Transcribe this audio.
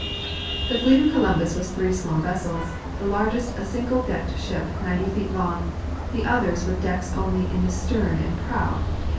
The fleet of Columbus was three small vessels; the largest" a single decked ship 90 feet long, the others with decks only in the stern gtnd prow.